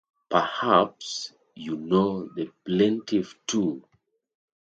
Perhaps you know the plaintiff too?